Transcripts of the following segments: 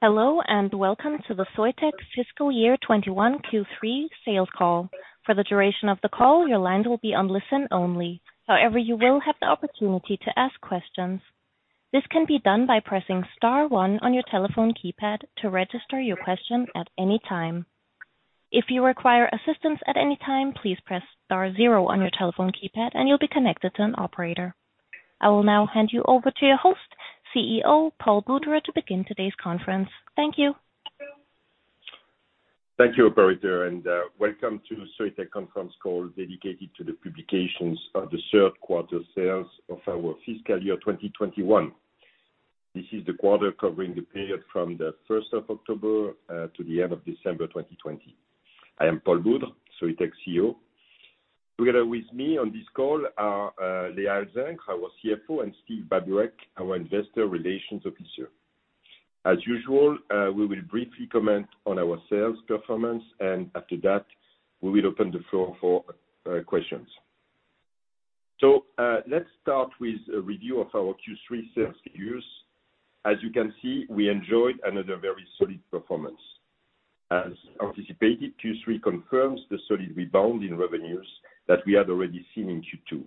Hello and welcome to the Soitec fiscal year 21Q3 sales call. For the duration of the call, your line will be on listen only. However, you will have the opportunity to ask questions. This can be done by pressing star one on your telephone keypad to register your question at any time. If you require assistance at any time, please press star zero on your telephone keypad and you'll be connected to an operator. I will now hand you over to your host, CEO Paul Boudre, to begin today's conference. Thank you. Thank you, Roberto, and welcome to Soitec conference call dedicated to the publications of the third quarter sales of our fiscal year 2021. This is the quarter covering the period from the 1st of October to the end of December 2020. I am Paul Boudre, Soitec CEO. Together with me on this call are Léa Alzingre, our CFO, and Steve Babureck, our investor relations officer. As usual, we will briefly comment on our sales performance, and after that, we will open the floor for questions, so let's start with a review of our Q3 sales figures. As you can see, we enjoyed another very solid performance. As anticipated, Q3 confirms the solid rebound in revenues that we had already seen in Q2.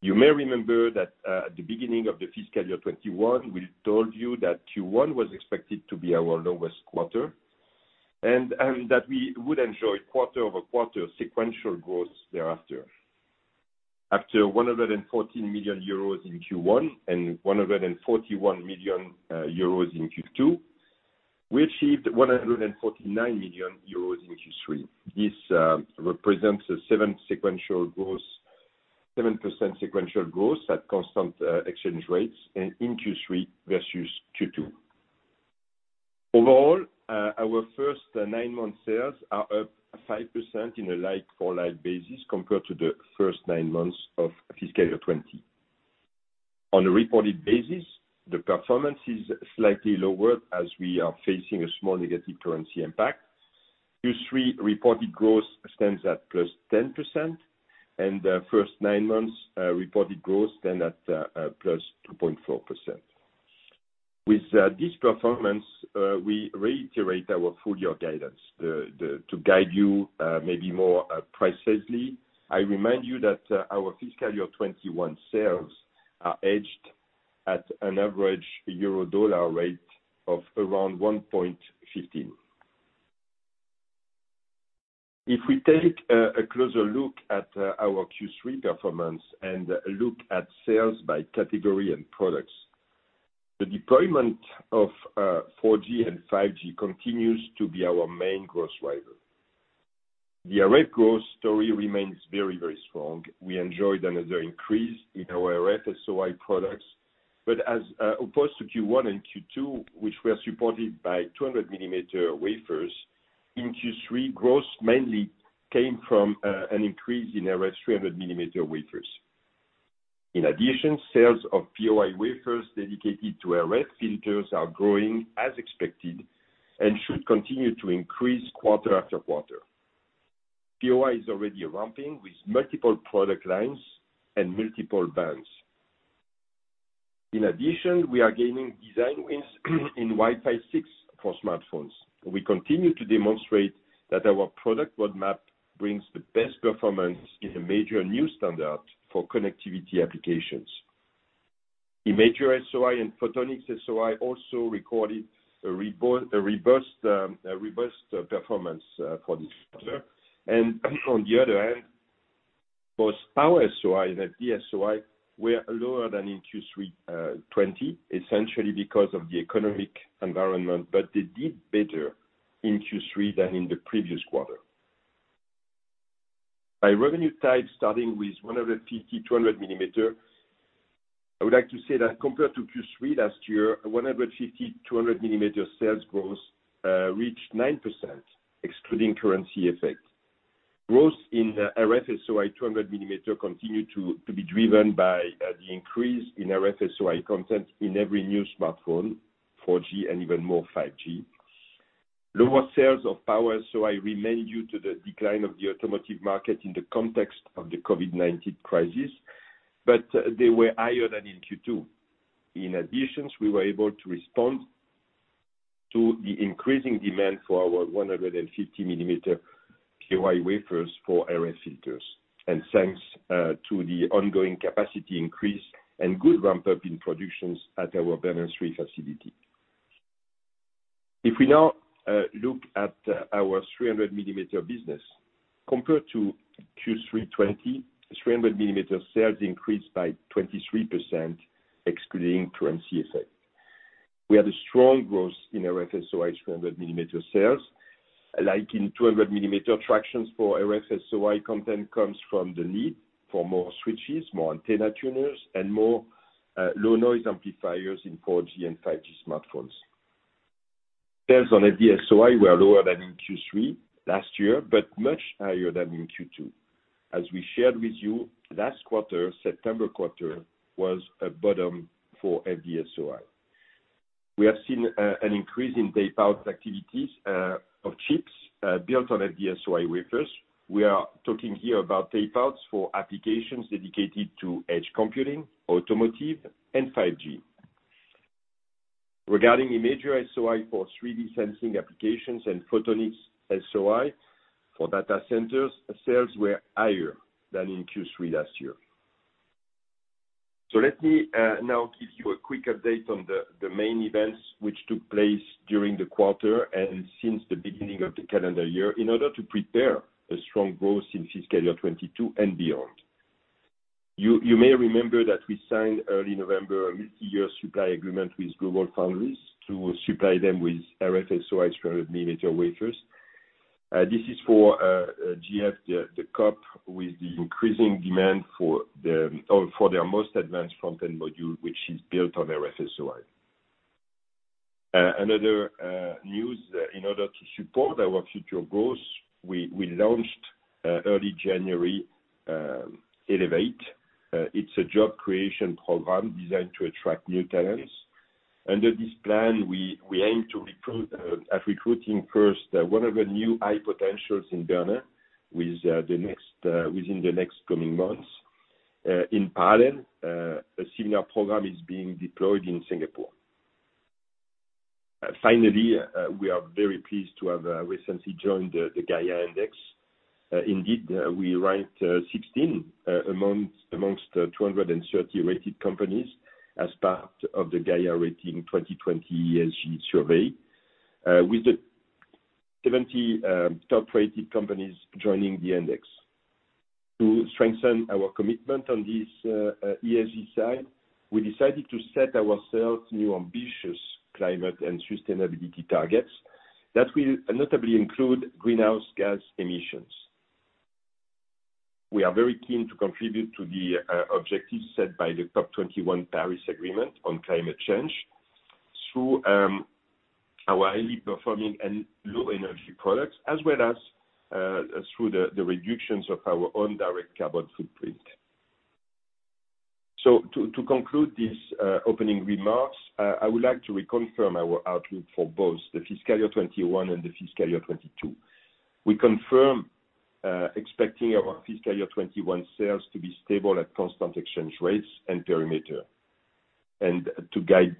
You may remember that at the beginning of the fiscal year 2021, we told you that Q1 was expected to be our lowest quarter and that we would enjoy quarter-over-quarter sequential growth thereafter. After 114 million euros in Q1 and 141 million euros in Q2, we achieved 149 million euros in Q3. This represents a 7% sequential growth at constant exchange rates in Q3 versus Q2. Overall, our first nine months' sales are up 5% on a like-for-like basis compared to the first nine months of fiscal year 2020. On a reported basis, the performance is slightly lowered as we are facing a small negative currency impact. Q3 reported growth stands at +10%, and the first nine months' reported growth stands at +2.4%. With this performance, we reiterate our full year guidance. To guide you maybe more precisely, I remind you that our fiscal year 2021 sales are hedged at an average EUR/USD rate of around 1.15. If we take a closer look at our Q3 performance and look at sales by category and products, the deployment of 4G and 5G continues to be our main growth driver. The RF growth story remains very, very strong. We enjoyed another increase in our RF-SOI products, but as opposed to Q1 and Q2, which were supported by 200-millimeter wafers, in Q3, growth mainly came from an increase in RF 300-millimeter wafers. In addition, sales of POI wafers dedicated to RF filters are growing as expected and should continue to increase quarter after quarter. POI is already ramping with multiple product lines and multiple bands. In addition, we are gaining design wins in Wi-Fi 6 for smartphones. We continue to demonstrate that our product roadmap brings the best performance in a major new standard for connectivity applications. Imager-SOI and Photonics-SOI also recorded a reversed performance for this quarter. And on the other hand, both Power-SOI and FD-SOI were lower than in Q3 2020, essentially because of the economic environment, but they did better in Q3 than in the previous quarter. By revenue type, starting with 150- to 200-mm, I would like to say that compared to Q3 last year, 150- to 200-mm sales growth reached 9%, excluding currency effect. Growth in RF-SOI 200-mm continued to be driven by the increase in RF-SOI content in every new smartphone, 4G and even more 5G. Lower sales of Power-SOI remain due to the decline of the automotive market in the context of the COVID-19 crisis, but they were higher than in Q2. In addition, we were able to respond to the increasing demand for our 150-millimeter POI wafers for RF filters, and thanks to the ongoing capacity increase and good ramp-up in production at our Bernin facility. If we now look at our 300-millimeter business, compared to Q3 2020, 300-millimeter sales increased by 23%, excluding currency effect. We had a strong growth in RF-SOI 300-millimeter sales. Like in 200-millimeter traction for RF-SOI content comes from the need for more switches, more antenna tuners, and more low-noise amplifiers in 4G and 5G smartphones. Sales on FD-SOI were lower than in Q3 last year, but much higher than in Q2. As we shared with you, last quarter, September quarter, was a bottom for FD-SOI. We have seen an increase in tape-out activities of chips built on FD-SOI wafers. We are talking here about tape-outs for applications dedicated to edge computing, automotive, and 5G. Regarding Imager-SOI for 3D sensing applications and Photonics-SOI for data centers, sales were higher than in Q3 last year. So let me now give you a quick update on the main events which took place during the quarter and since the beginning of the calendar year in order to prepare a strong growth in Fiscal Year 2022 and beyond. You may remember that we signed early November a multi-year supply agreement with GlobalFoundries to supply them with RF-SOI 300-millimeter wafers. This is for GF to cope with the increasing demand for their most advanced front-end module, which is built on RF-SOI. Another news, in order to support our future growth, we launched early January Elevate. It's a job creation program designed to attract new talents. Under this plan, we aim to recruit first one of the new high potentials in Bernin within the next coming months. In part, a similar program is being deployed in Singapore. Finally, we are very pleased to have recently joined the Gaïa Index. Indeed, we ranked 16 among 230 rated companies as part of the Gaïa Rating 2020 ESG survey, with the 70 top-rated companies joining the index. To strengthen our commitment on this ESG side, we decided to set ourselves new ambitious climate and sustainability targets that will notably include greenhouse gas emissions. We are very keen to contribute to the objectives set by the COP21 Paris Agreement on climate change through our highly performing and low-energy products, as well as through the reductions of our own direct carbon footprint. To conclude these opening remarks, I would like to reconfirm our outlook for both the fiscal year 2021 and the fiscal year 2022. We confirm expecting our fiscal year 2021 sales to be stable at constant exchange rates and perimeter. To guide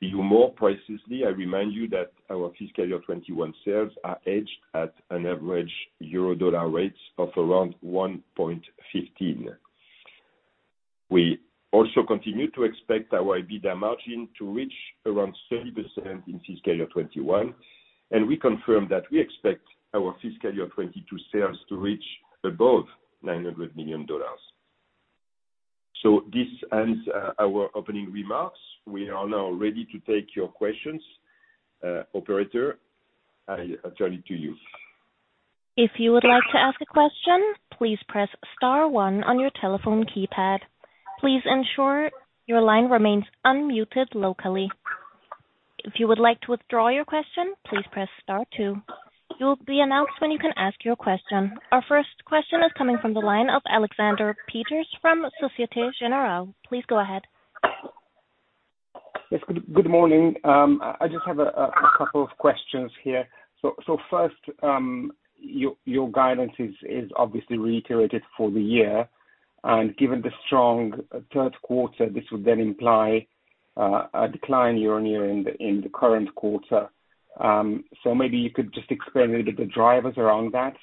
you more precisely, I remind you that our fiscal year 2021 sales are hedged at an average euro-dollar rate of around 1.15. We also continue to expect our EBITDA margin to reach around 30% in fiscal year 2021, and we confirm that we expect our fiscal year 2022 sales to reach above $900 million. This ends our opening remarks. We are now ready to take your questions, Operator. I turn it to you. If you would like to ask a question, please press star one on your telephone keypad. Please ensure your line remains unmuted locally. If you would like to withdraw your question, please press star two. You'll be announced when you can ask your question. Our first question is coming from the line of Aleksander Peterc from Société Générale. Please go ahead. Yes. Good morning. I just have a couple of questions here so first, your guidance is obviously reiterated for the year, and given the strong third quarter, this would then imply a decline year on year in the current quarter, so maybe you could just explain a little bit the drivers around that.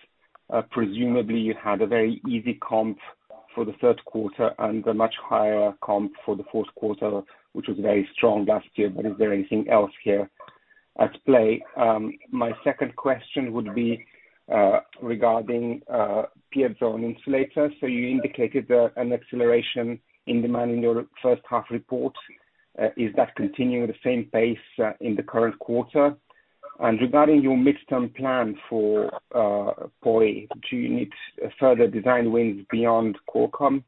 Presumably, you had a very easy comp for the third quarter and a much higher comp for the fourth quarter, which was very strong last year, but is there anything else here at play? My second question would be regarding Piezo-on-Insulators, so you indicated an acceleration in demand in your first half report. Is that continuing at the same pace in the current quarter? Regarding your midterm plan for POI, do you need further design wins beyond Qualcomm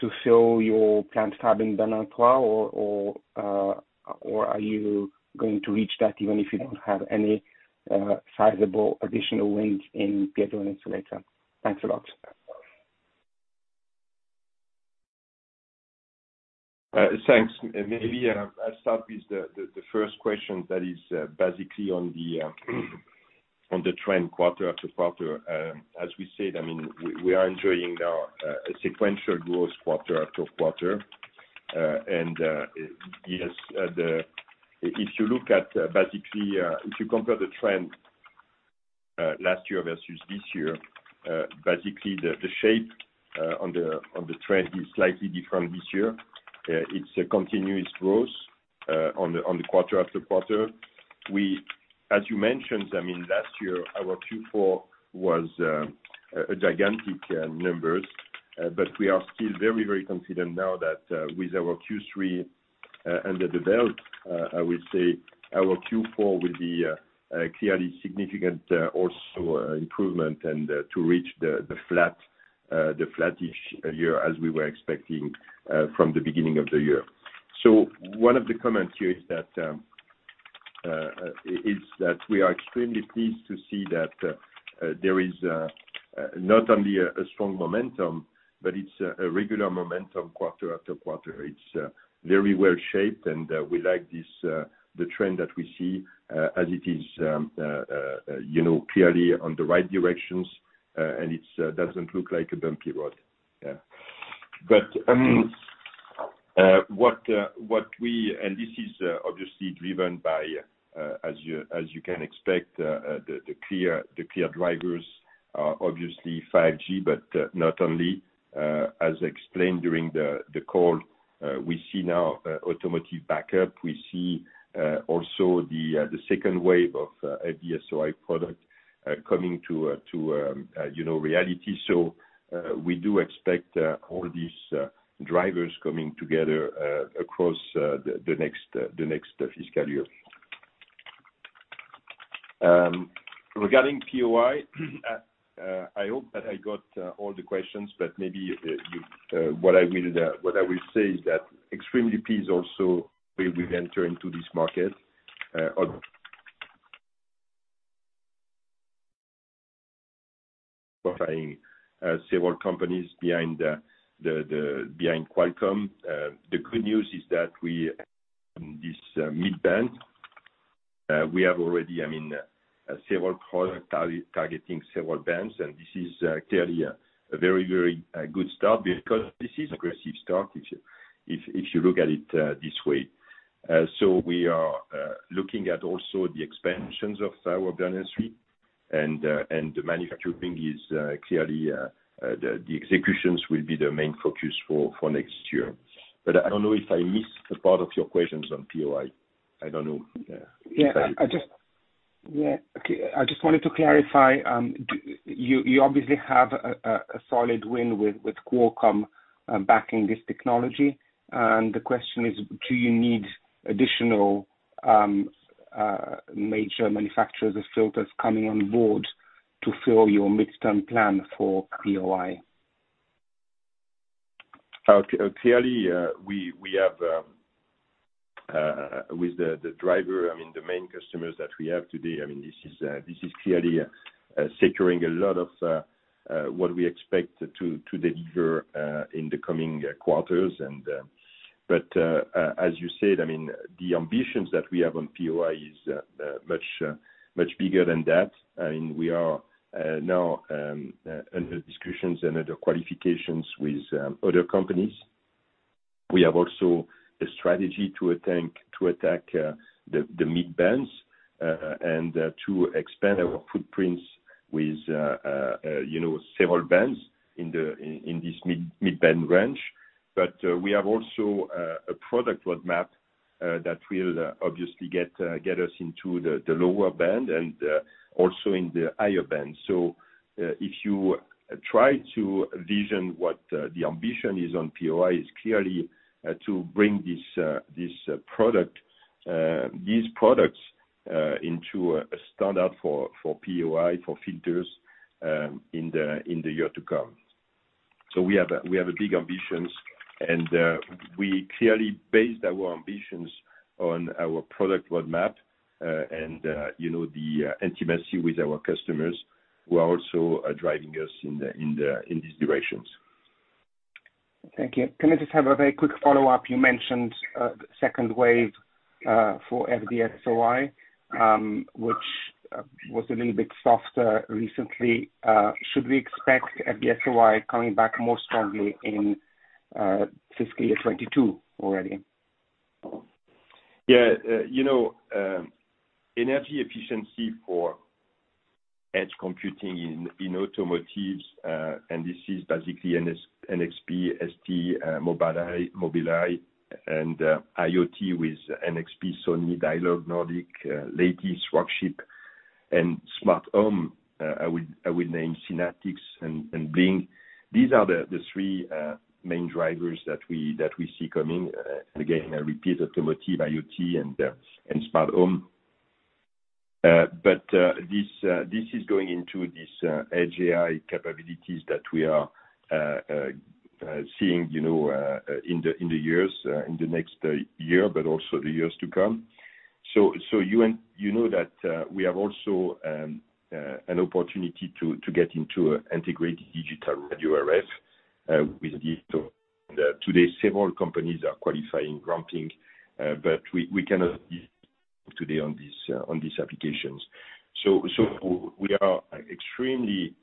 to fill your planned fab in Bernin, or are you going to reach that even if you don't have any sizable additional wins in Piezo-on-Insulator? Thanks a lot. Thanks. Maybe I'll start with the first question that is basically on the trend quarter after quarter. As we said, I mean, we are enjoying now a sequential growth quarter after quarter. And yes, if you look at basically if you compare the trend last year versus this year, basically the shape on the trend is slightly different this year. It's a continuous growth on the quarter after quarter. As you mentioned, I mean, last year, our Q4 was a gigantic number, but we are still very, very confident now that with our Q3 under the belt, I would say our Q4 will be a clearly significant also improvement and to reach the flat-ish year as we were expecting from the beginning of the year. So one of the comments here is that we are extremely pleased to see that there is not only a strong momentum, but it's a regular momentum quarter after quarter. It's very well shaped, and we like the trend that we see as it is clearly on the right directions, and it doesn't look like a bumpy road. But what we and this is obviously driven by, as you can expect, the clear drivers are obviously 5G, but not only. As explained during the call, we see now automotive backup. We see also the second wave of FD-SOI product coming to reality. So we do expect all these drivers coming together across the next fiscal year. Regarding POI, I hope that I got all the questions, but maybe what I will say is that extremely pleased also we will enter into this market. We're buying several companies behind Qualcomm. The good news is that we have this mid-band. We have already, I mean, several products targeting several bands, and this is clearly a very, very good start because this is an aggressive start if you look at it this way. So we are looking at also the expansions of our Bernin, and the manufacturing is clearly the executions will be the main focus for next year. But I don't know if I missed a part of your questions on POI. I don't know. Yeah. I just wanted to clarify. You obviously have a solid win with Qualcomm backing this technology. And the question is, do you need additional major manufacturers of filters coming on board to fill your midterm plan for POI? Clearly, we have with the driver, I mean, the main customers that we have today, I mean, this is clearly securing a lot of what we expect to deliver in the coming quarters. But as you said, I mean, the ambitions that we have on POI is much bigger than that. I mean, we are now under discussions and under qualifications with other companies. We have also a strategy to attack the mid-bands and to expand our footprints with several bands in this mid-band range. But we have also a product roadmap that will obviously get us into the lower band and also in the higher band. So if you try to envision what the ambition is on POI, it's clearly to bring these products into a standard for POI for filters in the year to come. So we have big ambitions, and we clearly based our ambitions on our product roadmap and the intimacy with our customers who are also driving us in these directions. Thank you. Can I just have a very quick follow-up? You mentioned the second wave for FD-SOI, which was a little bit softer recently. Should we expect FD-SOI coming back more strongly in fiscal year 2022 already? Yeah. Energy efficiency for edge computing in automotives, and this is basically NXP, ST, Mobileye, and IoT with NXP, Sony, Dialog, Nordic, Lattice, Rockchip, and smart home. I would name Synaptics and Ring. These are the three main drivers that we see coming, and again, I repeat, automotive, IoT, and smart home, but this is going into these edge AI capabilities that we are seeing in the years in the next year, but also the years to come, so you know that we have also an opportunity to get into integrated digital radio RF with digital, and today, several companies are qualifying, ramping, but we cannot be today on these applications, so we are extremely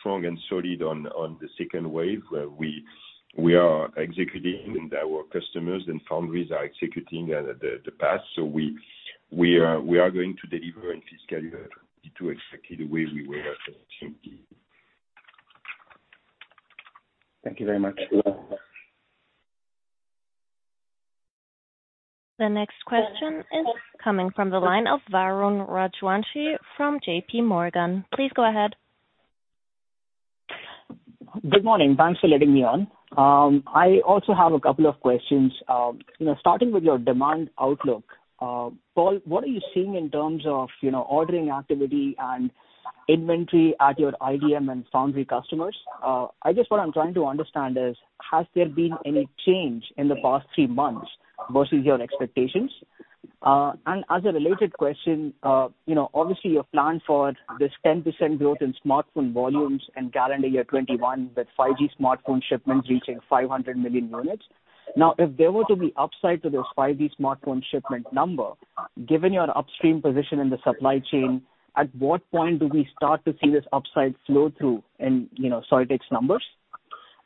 strong and solid on the second wave where we are executing, and our customers and foundries are executing the path, so we are going to deliver in fiscal year 2022 exactly the way we were expecting. Thank you very much. The next question is coming from the line of Varun Rajwanshi from J.P. Morgan. Please go ahead. Good morning. Thanks for letting me on. I also have a couple of questions. Starting with your demand outlook, Paul, what are you seeing in terms of ordering activity and inventory at your IDM and foundry customers? I guess what I'm trying to understand is, has there been any change in the past three months versus your expectations? And as a related question, obviously, your plan for this 10% growth in smartphone volumes and calendar year 2021 with 5G smartphone shipments reaching 500 million units. Now, if there were to be upside to this 5G smartphone shipment number, given your upstream position in the supply chain, at what point do we start to see this upside flow through in Soitec's numbers?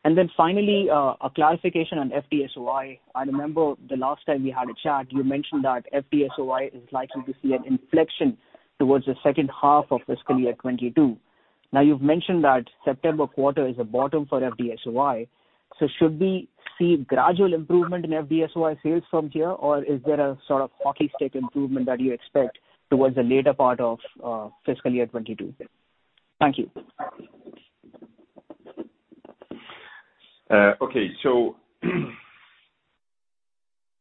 And then finally, a clarification on FD-SOI. I remember the last time we had a chat. You mentioned that FD-SOI is likely to see an inflection towards the second half of fiscal year 2022. Now, you have mentioned that September quarter is a bottom for FD-SOI. So should we see gradual improvement in FD-SOI sales from here, or is there a sort of hockey stick improvement that you expect towards the later part of fiscal year 2022? Thank you. Okay. So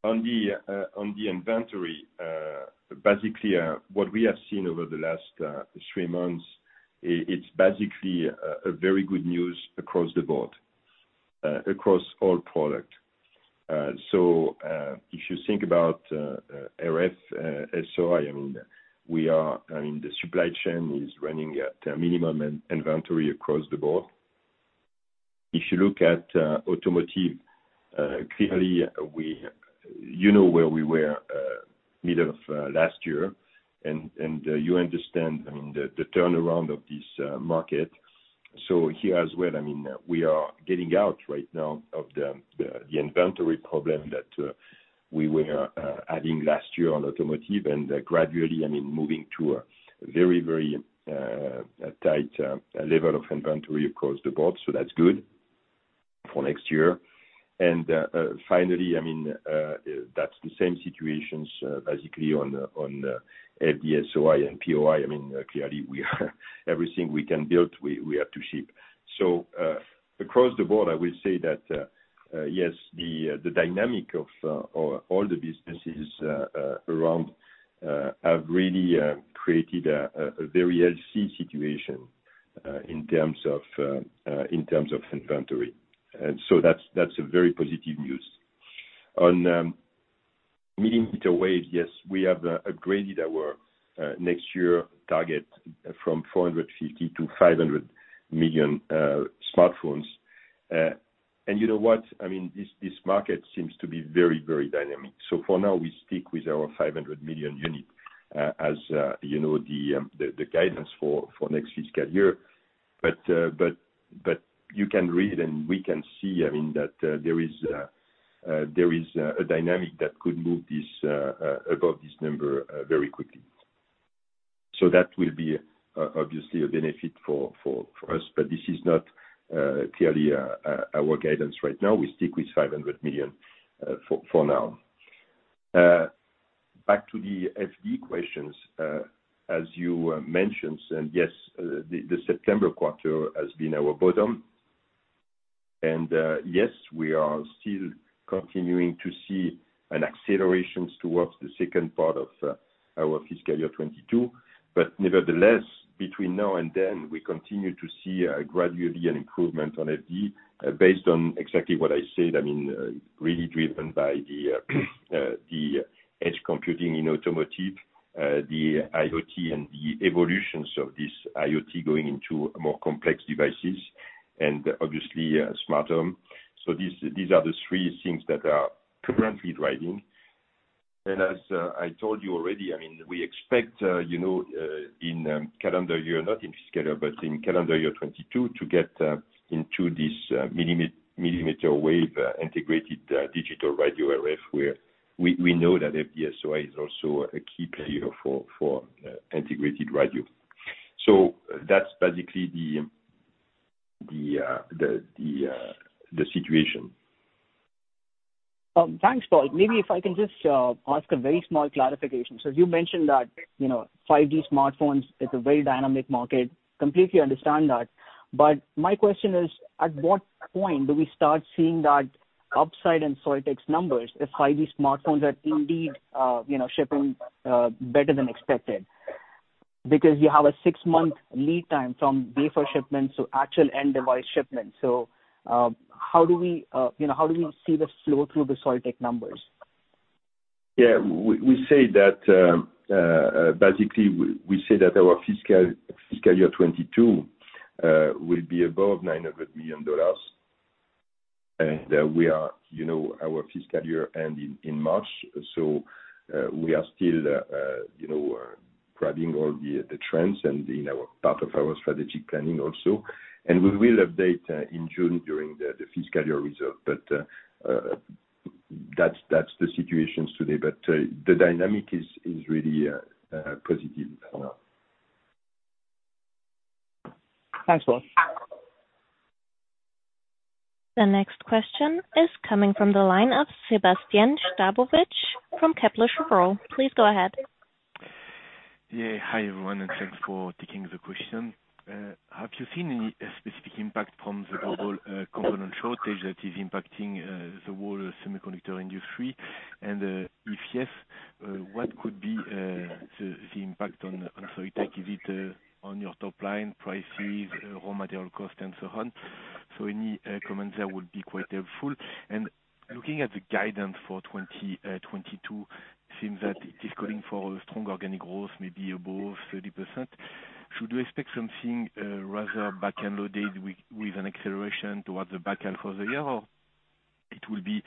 on the inventory, basically, what we have seen over the last three months, it's basically very good news across the board, across all products. So if you think about RF-SOI, I mean, the supply chain is running at a minimum inventory across the board. If you look at automotive, clearly, you know where we were middle of last year, and you understand, I mean, the turnaround of this market. So here as well, I mean, we are getting out right now of the inventory problem that we were having last year on automotive and gradually, I mean, moving to a very, very tight level of inventory across the board. So that's good for next year. And finally, I mean, that's the same situations basically on FD-SOI and POI. I mean, clearly, everything we can build, we have to ship. So across the board, I will say that, yes, the dynamic of all the businesses around have really created a very healthy situation in terms of inventory. And so that's very positive news. On millimeter wave, yes, we have upgraded our next year target from 450-500 million smartphones. And you know what? I mean, this market seems to be very, very dynamic. So for now, we stick with our 500 million unit as the guidance for next fiscal year. But you can read and we can see, I mean, that there is a dynamic that could move above this number very quickly. So that will be obviously a benefit for us, but this is not clearly our guidance right now. We stick with 500 million for now. Back to the FD questions. As you mentioned, and yes, the September quarter has been our bottom. Yes, we are still continuing to see an acceleration towards the second part of our fiscal year 2022. Nevertheless, between now and then, we continue to see gradually an improvement on FD based on exactly what I said, I mean, really driven by the edge computing in automotive, the IoT, and the evolutions of this IoT going into more complex devices and obviously smart home. These are the three things that are currently driving. As I told you already, I mean, we expect in calendar year, not in fiscal year, but in calendar year 2022 to get into this millimeter wave integrated digital radio RF where we know that FD-SOI is also a key player for integrated radio. That's basically the situation. Thanks, Paul. Maybe if I can just ask a very small clarification. So you mentioned that 5G smartphones is a very dynamic market. Completely understand that. But my question is, at what point do we start seeing that upside in Soitec's numbers if 5G smartphones are indeed shipping better than expected? Because you have a six-month lead time from wafer shipments to actual end device shipments. So how do we see this flow through the Soitec numbers? Yeah. We say that basically our fiscal year 2022 will be above $900 million, and our fiscal year ending in March, so we are still grabbing all the trends and as part of our strategic planning also, and we will update in June during the fiscal year results, but that's the situation today. The dynamic is really positive for now. Thanks, Paul. The next question is coming from the line of Sebastien Sztabowicz from Kepler Cheuvreux. Please go ahead. Yeah. Hi, everyone, and thanks for taking the question. Have you seen any specific impact from the global component shortage that is impacting the whole semiconductor industry? And if yes, what could be the impact on Soitec? Is it on your top line, prices, raw material cost, and so on? So any comments there would be quite helpful. And looking at the guidance for 2022, it seems that it is calling for a strong organic growth, maybe above 30%. Should we expect something rather back-end-loaded with an acceleration towards the back-end for the year, or it will be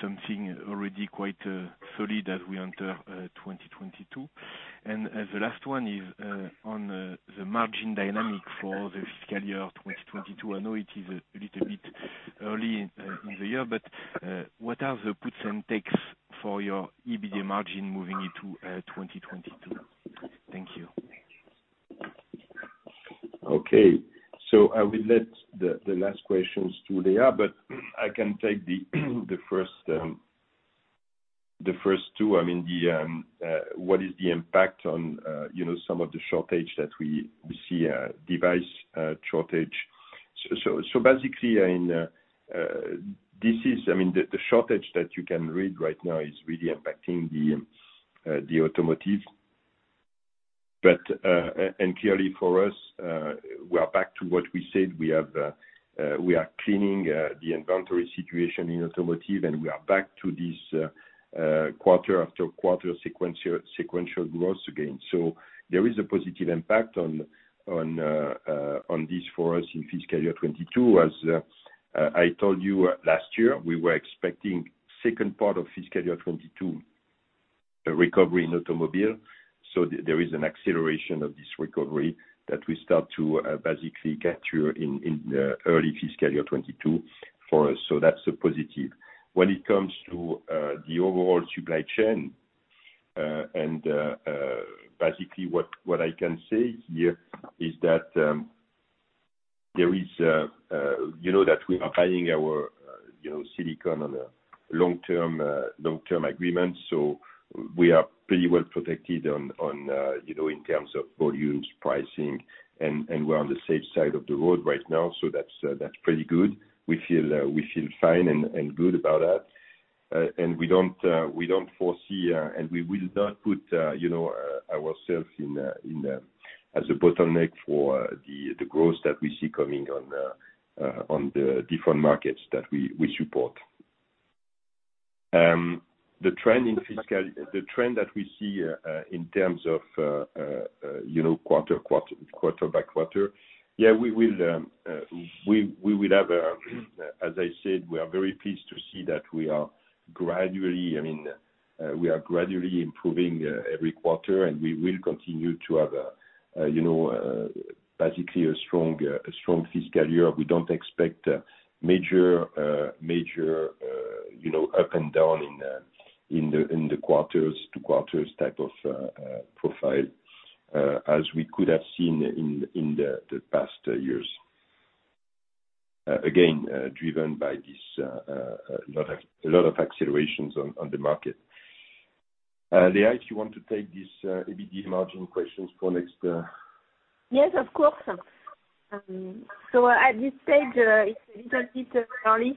something already quite solid as we enter 2022? And the last one is on the margin dynamics for the fiscal year 2022. I know it is a little bit early in the year, but what are the puts and takes for your EBITDA margin moving into 2022? Thank you. Okay. So I will let the last questions to Léa, but I can take the first two. I mean, what is the impact on some of the shortage that we see, device shortage? So basically, this is, I mean, the shortage that you can read right now is really impacting the automotive. And clearly, for us, we are back to what we said. We are cleaning the inventory situation in automotive, and we are back to this quarter after quarter sequential growth again. So there is a positive impact on this for us in fiscal year 2022. As I told you last year, we were expecting second part of fiscal year 2022 recovery in automobile. So there is an acceleration of this recovery that we start to basically capture in early fiscal year 2022 for us. So that's a positive. When it comes to the overall supply chain, and basically what I can say here is that there is, we are buying our silicon on a long-term agreement, so we are pretty well protected in terms of volumes, pricing, and we're on the safe side of the road right now, so that's pretty good. We feel fine and good about that, and we don't foresee, and we will not put ourselves as a bottleneck for the growth that we see coming on the different markets that we support. The trend that we see in terms of quarter by quarter, yeah, we will have, as I said, we are very pleased to see that we are gradually, I mean, we are gradually improving every quarter, and we will continue to have basically a strong fiscal year. We don't expect major up and down in the quarters to quarters type of profile as we could have seen in the past years. Again, driven by this lot of accelerations on the market. Léa, if you want to take these EBITDA margin questions for next. Yes, of course. So at this stage, it's a little bit early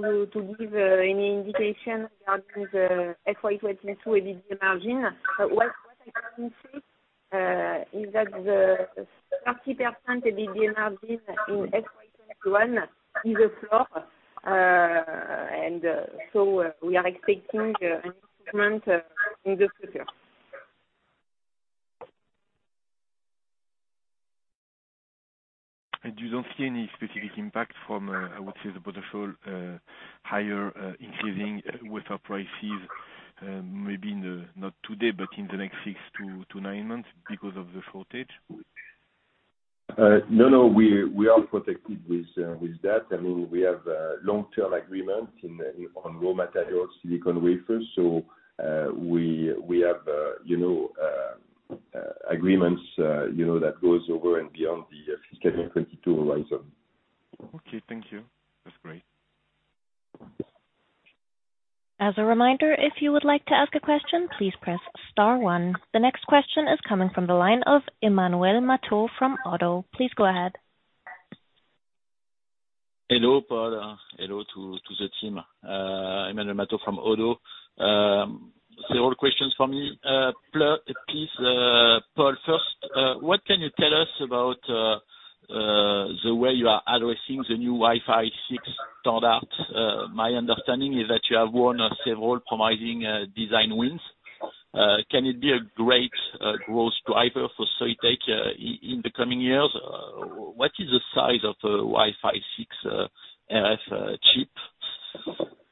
to give any indication regarding the FY22 EBITDA margin. What I can say is that the 30% EBITDA margin in FY21 is a floor, and so we are expecting an improvement in the future. You don't see any specific impact from, I would say, the potential higher increasing wafer prices, maybe not today, but in the next six-to-nine months because of the shortage? No, no. We are protected with that. I mean, we have long-term agreements on raw materials, silicon wafers. So we have agreements that go over and beyond the fiscal year 2022 horizon. Okay. Thank you. That's great. As a reminder, if you would like to ask a question, please press star one. The next question is coming from the line of Emmanuel Matot from Oddo. Please go ahead. Hello, Paul. Hello to the team. Emmanuel Matot from Oddo. Several questions for me, please. Paul, first, what can you tell us about the way you are addressing the new Wi-Fi 6 standards? My understanding is that you have won several promising design wins. Can it be a great growth driver for Soitec in the coming years? What is the size of the Wi-Fi 6 RF chip?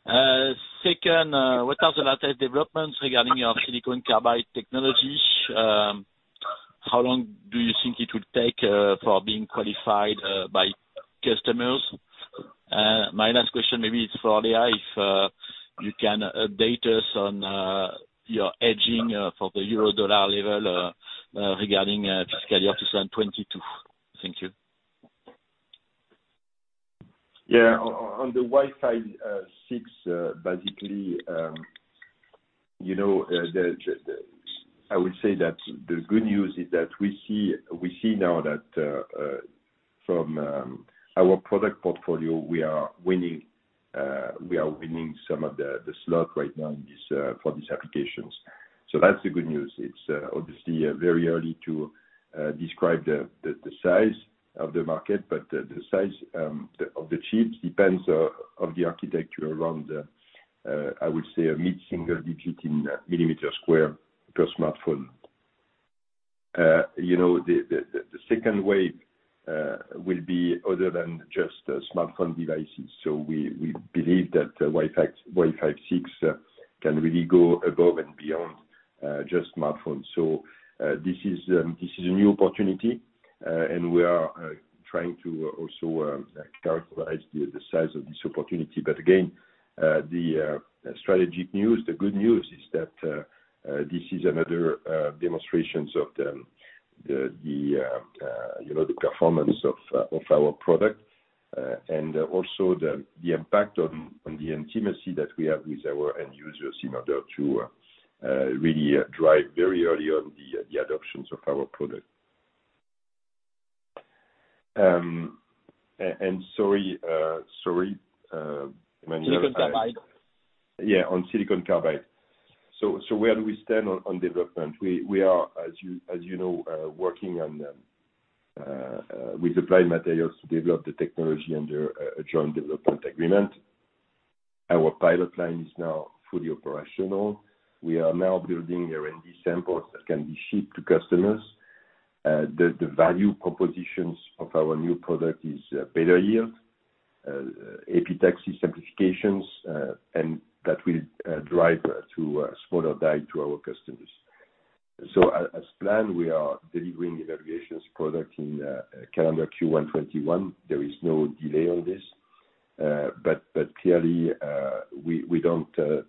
Second, what are the latest developments regarding your silicon carbide technology? How long do you think it will take for being qualified by customers? My last question maybe is for Léa, if you can update us on your hedging for the euro/dollar level regarding fiscal year 2022. Thank you. Yeah. On the Wi-Fi 6, basically, I would say that the good news is that we see now that from our product portfolio, we are winning some of the slot right now for these applications. So that's the good news. It's obviously very early to describe the size of the market, but the size of the chips depends on the architecture around, I would say, a mid-single digit in millimeters square per smartphone. The second wave will be other than just smartphone devices. So we believe that Wi-Fi 6 can really go above and beyond just smartphones. So this is a new opportunity, and we are trying to also characterize the size of this opportunity. But again, the strategic news, the good news is that this is another demonstration of the performance of our product and also the impact on the intimacy that we have with our end users in order to really drive very early on the adoptions of our product. And sorry, Emmanuel. Silicon carbide. Yeah, on silicon carbide. So where do we stand on development? We are, as you know, working with Applied Materials to develop the technology under a joint development agreement. Our pilot line is now fully operational. We are now building R&D samples that can be shipped to customers. The value propositions of our new product is better yield, epitaxy simplifications, and that will drive to a smaller die to our customers. So as planned, we are delivering evaluations product in calendar Q1 2021. There is no delay on this. But clearly, we don't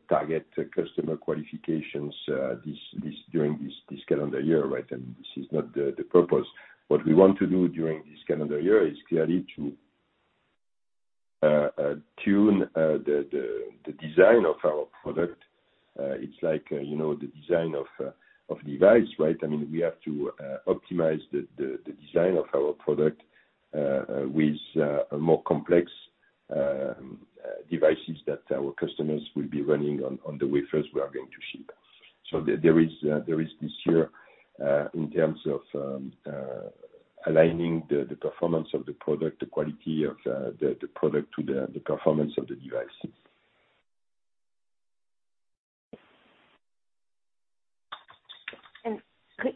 target customer qualifications during this calendar year, right? And this is not the purpose. What we want to do during this calendar year is clearly to tune the design of our product. It's like the design of device, right? I mean, we have to optimize the design of our product with more complex devices that our customers will be running on the wafers we are going to ship, so there is this year in terms of aligning the performance of the product, the quality of the product to the performance of the device.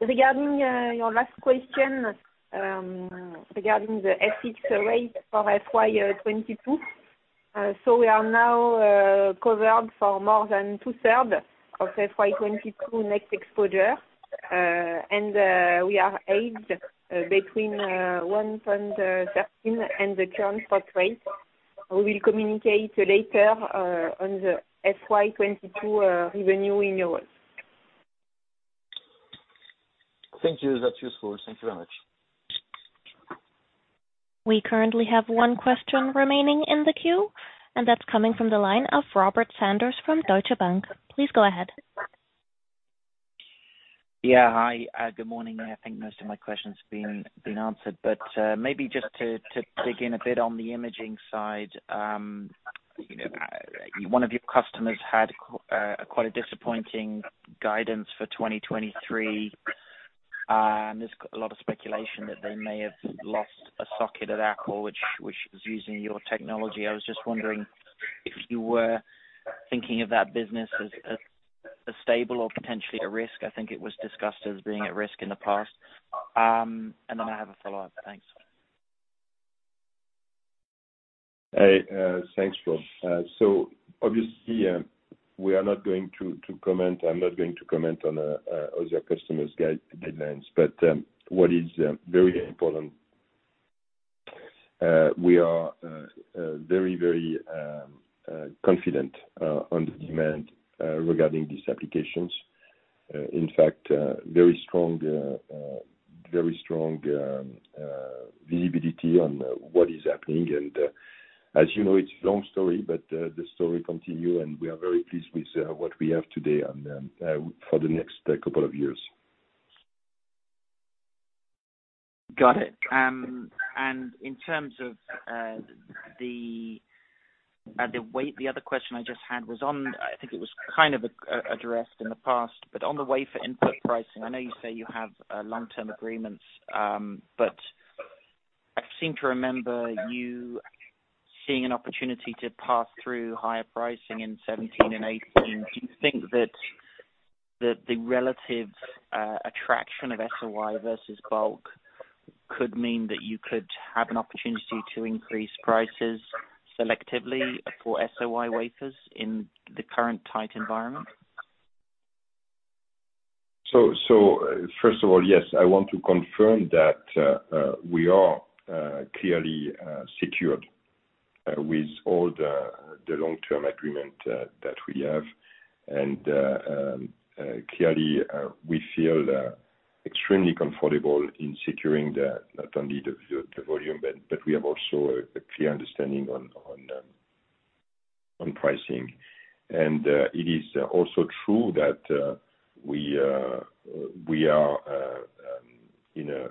Regarding your last question regarding the FX rate for FY22, so we are now covered for more than two-thirds of FY22 net exposure, and we are hedged between 1.13 and the current spot rate. We will communicate later on the FY22 revenue in euros. Thank you. That's useful. Thank you very much. We currently have one question remaining in the queue, and that's coming from the line of Robert Sanders from Deutsche Bank. Please go ahead. Yeah. Hi. Good morning. I think most of my questions have been answered. But maybe just to dig in a bit on the imaging side, one of your customers had quite a disappointing guidance for 2023. There's a lot of speculation that they may have lost a socket at Apple, which is using your technology. I was just wondering if you were thinking of that business as stable or potentially at risk. I think it was discussed as being at risk in the past. And then I have a follow-up. Thanks. Thanks, Paul. So obviously, we are not going to comment. I'm not going to comment on other customers' guidelines. But what is very important, we are very, very confident on the demand regarding these applications. In fact, very strong visibility on what is happening. And as you know, it's a long story, but the story continues, and we are very pleased with what we have today for the next couple of years. Got it. And in terms of the other question I just had, I think it was kind of addressed in the past, but on the wafer input pricing, I know you say you have long-term agreements, but I seem to remember you seeing an opportunity to pass through higher pricing in 2017 and 2018. Do you think that the relative attraction of SOI versus bulk could mean that you could have an opportunity to increase prices selectively for SOI wafers in the current tight environment? So first of all, yes, I want to confirm that we are clearly secured with all the long-term agreements that we have. And clearly, we feel extremely comfortable in securing not only the volume, but we have also a clear understanding on pricing. And it is also true that we are on a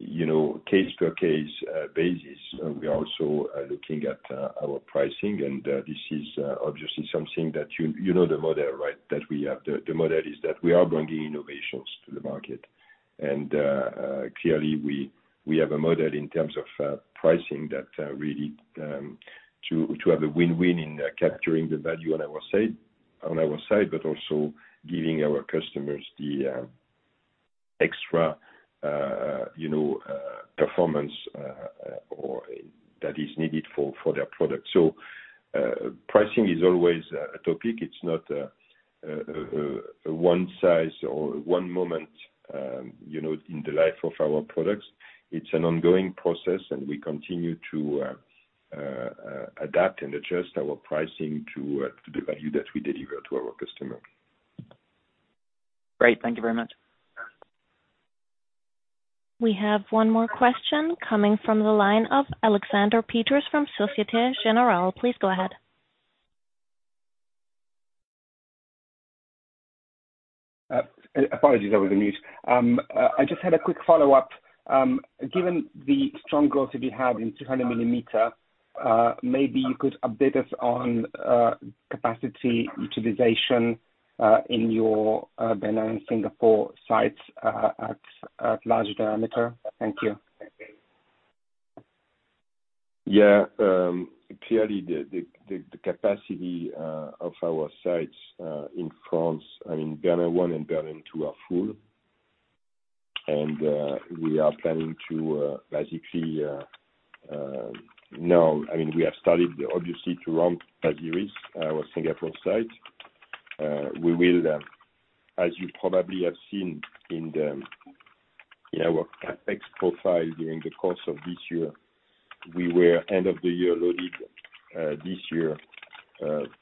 case-by-case basis. We are also looking at our pricing, and this is obviously something that you know the model, right, that we have. The model is that we are bringing innovations to the market. And clearly, we have a model in terms of pricing that really to have a win-win in capturing the value on our side, but also giving our customers the extra performance that is needed for their product. So pricing is always a topic. It's not a one-size-fits-all or one moment in the life of our products. It's an ongoing process, and we continue to adapt and adjust our pricing to the value that we deliver to our customer. Great. Thank you very much. We have one more question coming from the line of Aleksander Peterc from Société Générale. Please go ahead. Apologies, I was amused. I just had a quick follow-up. Given the strong growth that you had in 200 millimeters, maybe you could update us on capacity utilization in your Bernin and Singapore sites at large diameter. Thank you. Yeah. Clearly, the capacity of our sites in France, I mean, Bernin 1 and Bernin 2 are full. And we are planning to basically now, I mean, we have started obviously to run Pasir Ris, our Singapore site. We will, as you probably have seen in our CapEx profile during the course of this year, we were end of the year loaded this year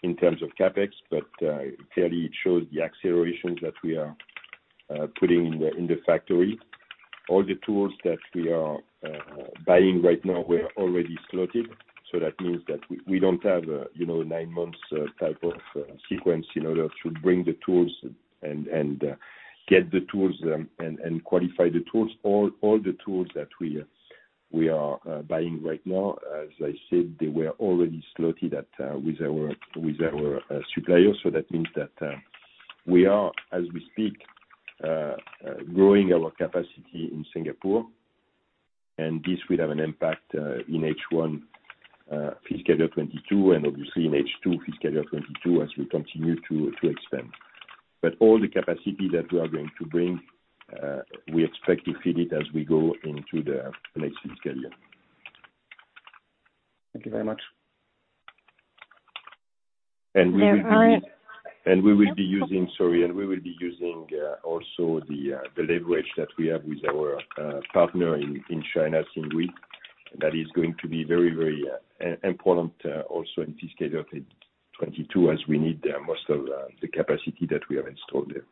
in terms of CapEx, but clearly, it shows the accelerations that we are putting in the factory. All the tools that we are buying right now were already slotted. So that means that we don't have a nine-month type of sequence in order to bring the tools and get the tools and qualify the tools. All the tools that we are buying right now, as I said, they were already slotted with our suppliers. That means that we are, as we speak, growing our capacity in Singapore. And this will have an impact in H1 fiscal year 2022 and obviously in H2 fiscal year 2022 as we continue to expand. But all the capacity that we are going to bring, we expect to fill it as we go into the next fiscal year. Thank you very much. We will be using also the leverage that we have with our partner in China, Simgui. That is going to be very, very important also in fiscal year 2022 as we need most of the capacity that we have installed there.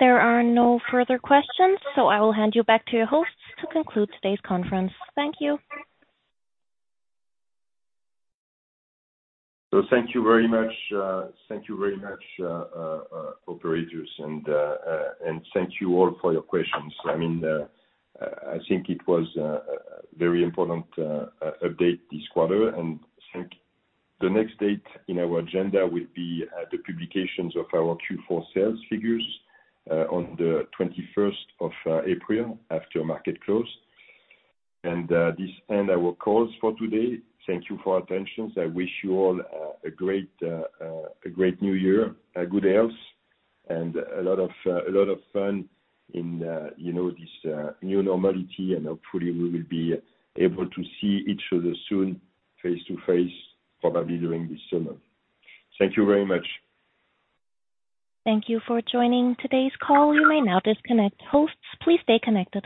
There are no further questions, so I will hand you back to your hosts to conclude today's conference. Thank you. So thank you very much. Thank you very much, operators. And thank you all for your questions. I mean, I think it was a very important update this quarter. And I think the next date in our agenda will be the publications of our Q4 sales figures on the 21st of April after market close. And this ends our calls for today. Thank you for your attention. I wish you all a great new year, good health, and a lot of fun in this new normality. And hopefully, we will be able to see each other soon face-to-face, probably during this summer. Thank you very much. Thank you for joining today's call. You may now disconnect hosts. Please stay connected.